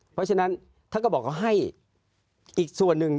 เพราะฉะนั้นท่านก็บอกว่าให้อีกส่วนหนึ่ง